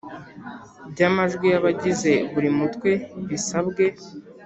by amajwi y abagize buri Mutwe bisabwe